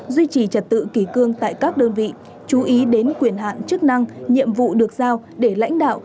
duy trì trật tự kỷ cương tại các đơn vị chú ý đến quyền hạn chức năng nhiệm vụ được giao để lãnh đạo